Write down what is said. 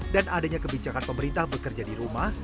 dan adanya kebijakan pemerintah bekerja di rumah